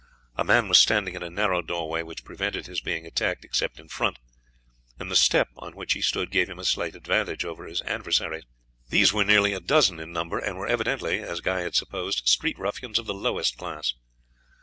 A man was standing in a narrow doorway, which prevented his being attacked except in front, and the step on which he stood gave him a slight advantage over his adversaries. These were nearly a dozen in number, and were evidently, as Guy had supposed, street ruffians of the lowest class.